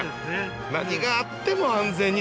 何があっても安全にという。